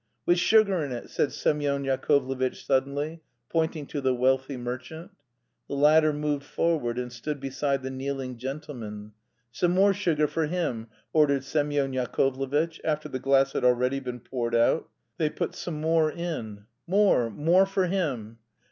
"With sugar in it!" said Semyon Yakovlevitch suddenly, pointing to the wealthy merchant. The latter moved forward and stood beside the kneeling gentleman. "Some more sugar for him!" ordered Semyon Yakovlevitch, after the glass had already been poured out. They put some more in. "More, more, for him!"